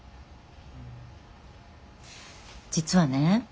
実はね